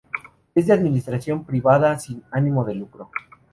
Es de administración privada sin ánimo de lucro.